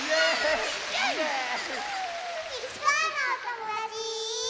いちかわのおともだち！